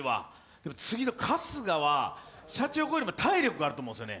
でも次の春日は、シャチホコよりも体力があると思うんですよね。